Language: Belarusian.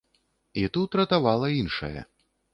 І тут ратавала іншае.